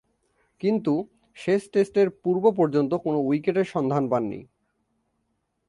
কিন্তু, শেষ টেস্ট সিরিজের পূর্ব-পর্যন্ত কোন উইকেটের সন্ধান পাননি।